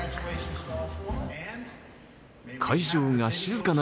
会場が静かな